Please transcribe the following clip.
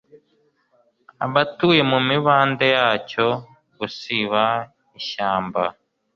abatuye mu mibande yacyo gusiba ishyamba